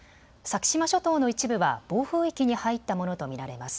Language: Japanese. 先島諸島の一部は暴風域に入ったものと見られます。